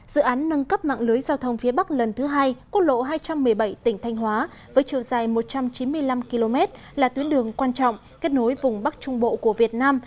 dự án nâng cấp mạng lưới giao thông phía bắc lần thứ hai quốc lộ hai trăm một mươi bảy tỉnh thanh hóa với chiều dài một trăm chín mươi năm km là tuyến đường quan trọng kết nối vùng bắc trung bộ của việt nam